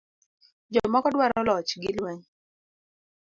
Jomoko dwaro loch gi lweny